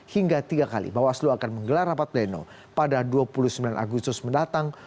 hingga tiga kali bawaslu akan menggelar rapat pleno pada dua puluh sembilan agustus mendatang